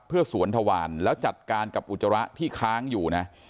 เพื่อสวนทวารแล้วจัดการกับอุจจาระที่ค้างอยู่นะ